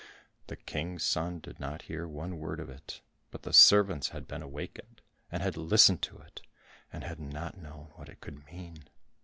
The King's son did not hear one word of it, but the servants had been awakened, and had listened to it, and had not known what it could mean.